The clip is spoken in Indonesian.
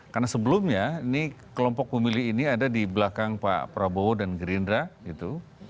karena sebelumnya kelompok pemilih ini ada di belakang pak prabowo dan gerindra gitu